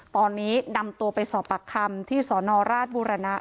ตอนนี้นำตัวไปสอบปากคำที่สนราชบุรณะ